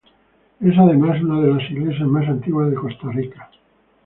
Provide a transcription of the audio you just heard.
Es además una de las iglesias más antiguas de Costa Rica.